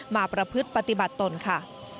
ประพฤติปฏิบัติตนค่ะ